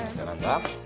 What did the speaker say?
なんだ？